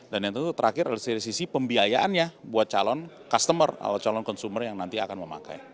dan yang terakhir dari sisi pembiayaannya buat calon customer atau calon consumer yang nanti akan memakai